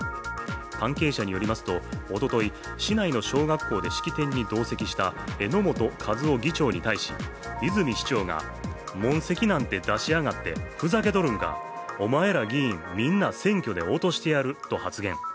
関係者によりますと、おととい、市内の小学校で式典に同席した榎本和夫議長に対し、泉市長が、問責なんて出しやがってふざけとるんか、お前ら議員、みんな選挙で落としてやると発言。